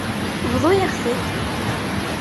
Bḍu-yaɣ-t-id.